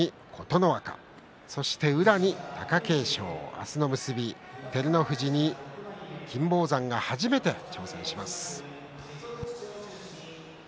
明日の結びは、照ノ富士に金峰山が初めて挑戦します。